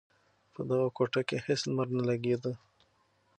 په دغه کوټه کې هېڅ لمر نه لگېده.